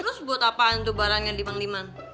terus buat apaan tuh barangnya diman diman